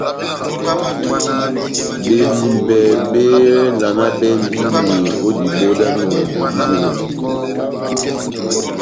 Bebímbe bévalanabɛndini ó diboho dá mehongo dijinɔ bohito.